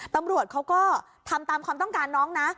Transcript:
ตำรวจเขาก็ทำตามความต้องการน้องนะ